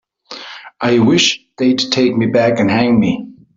I wish they'd take me back and hang me.